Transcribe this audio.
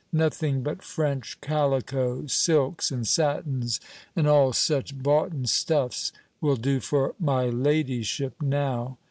Nothing but French calico, silks, and satins, and all such boughten stuffs, will do for 'my ladyship' now.